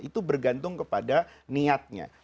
itu bergantung kepada niatnya